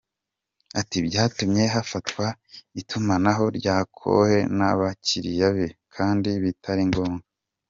Ati “Byatumye hafatwa itumanaho rya Cohen n’abakiliya be kandi bitari ngombwa.